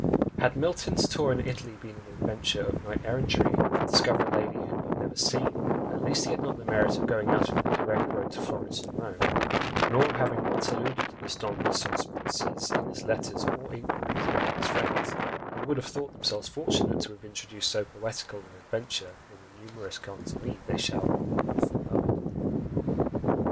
Had Milton's tour in Italy been an adventure of knight errantry, to discover a lady whom he had never seen, at least he had not the merit of going out of the direct road to Florence and Rome, nor of having once alluded to this Dame de ses pensées, in his letters or inquiries among his friends, who would have thought themselves fortunate to have introduced so poetical an adventure in the numerous canzoni they showered on our youthful poet.